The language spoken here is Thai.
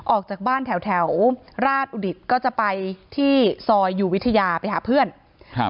ออกจากบ้านแถวแถวราชอุดิษฐ์ก็จะไปที่ซอยอยู่วิทยาไปหาเพื่อนครับ